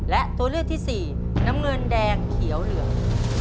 และตัวเลือกที่สี่น้ำเงินแดงเขียวเหลือง